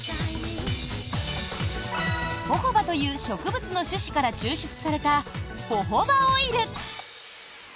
ホホバという植物の種子から抽出された、ホホバオイル。